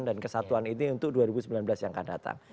dan kesatuan itu untuk dua ribu sembilan belas yang akan datang